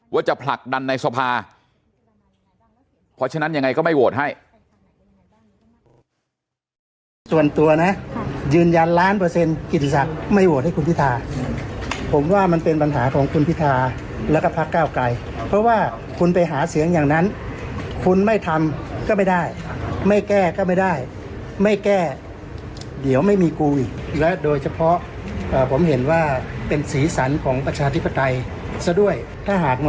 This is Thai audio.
ว่าจะผลักดันในสภาเพราะฉะนั้นยังไงก็ไม่โหวตให้